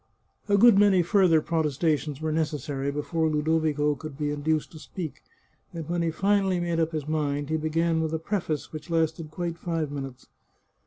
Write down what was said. A good many further protestations were necessary be fore Ludovico could be induced to speak, and when he finally made up his mind he began with a preface which lasted quite five minutes.